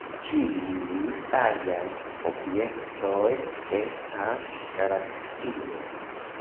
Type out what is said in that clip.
Ĉiuj aliaj objektoj, estas galaksioj.